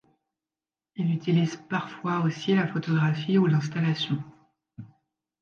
Il utilise parfois aussi la photographie ou l'installation.